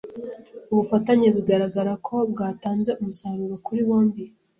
Ubufatanye bigaragara ko bwatanze umusaruro kuri bombi.